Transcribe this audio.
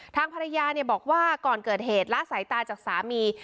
ทางภรรยาบอกว่าก่อนเกิดเหตุละสายตาจากสามี